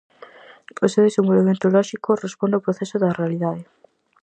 O seu desenvolvemento lóxico responde ao proceso da realidade.